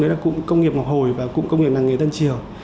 đấy là cụm công nghiệp ngọc hồi và cụm công nghiệp làng nghề tân triều